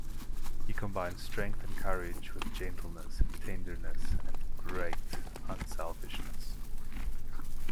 He combined strength and courage with gentleness, tenderness, and great unselfishness.